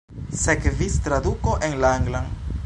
Sekvis traduko en la anglan.